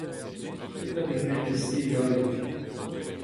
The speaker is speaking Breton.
Petra a vez graet eus se e galleg ?